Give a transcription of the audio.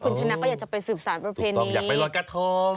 คนชนะก็อยากจะไปสืบสารประเภทนี้อยากไปรอยกาโทม